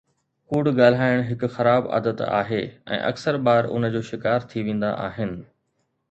ڪوڙ ڳالهائڻ هڪ خراب عادت آهي ۽ اڪثر ٻار ان جو شڪار ٿي ويندا آهن